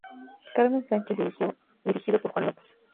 Carmen Sánchez, dirigido por Juan López.